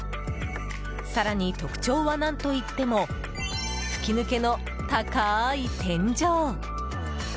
更に特徴は、何といっても吹き抜けの高い天井！